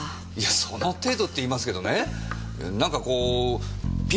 その程度って言いますけどねなんかこうピンと来るんです。